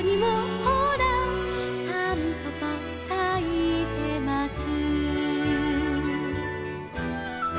「たんぽぽさいてます」